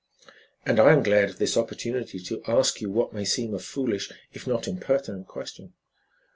"And I am glad of this opportunity to ask you what may seem a foolish, if not impertinent question.